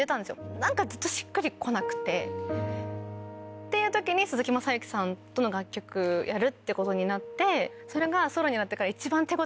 何かずっとしっくり来なくて。っていう時に鈴木雅之さんとの楽曲やるってことになってそれが。